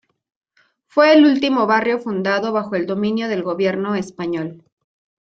Fue el último barrio fundado bajo el dominio del gobierno español.